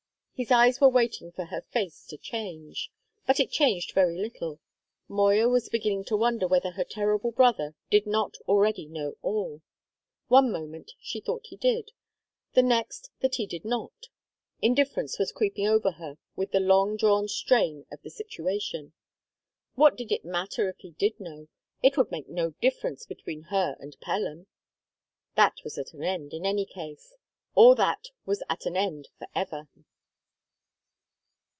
His eyes were waiting for her face to change. But it changed very little. Moya was beginning to wonder whether her terrible brother did not already know all. One moment she thought he did, the next that he did not; indifference was creeping over her with the long drawn strain of the situation. What did it matter if he did know? It would make no difference between her and Pelham. That was at an end, in any case; all that was at an end for ever.